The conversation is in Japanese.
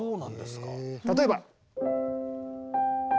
例えば。